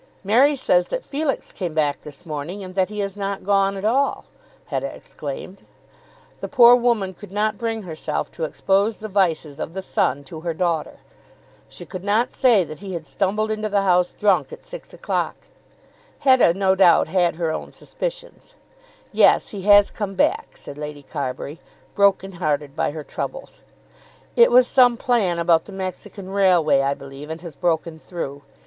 "Mary says that Felix came back this morning, and that he has not gone at all," Hetta exclaimed. The poor woman could not bring herself to expose the vices of the son to her daughter. She could not say that he had stumbled into the house drunk at six o'clock. Hetta no doubt had her own suspicions. "Yes; he has come back," said Lady Carbury, broken hearted by her troubles. "It was some plan about the Mexican railway I believe, and has broken through.